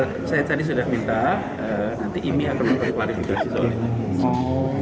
saya tadi sudah minta nanti imi akan diklarifikasi soalnya